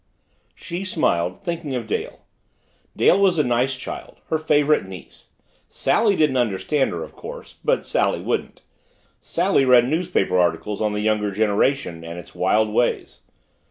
She smiled, thinking of Dale. Dale was a nice child her favorite niece. Sally didn't understand her, of course but Sally wouldn't. Sally read magazine articles on the younger generation and its wild ways.